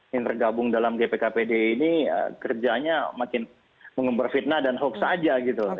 yang tergabung dalam gpkpd ini kerjanya makin mengembar fitnah dan hoax aja gitu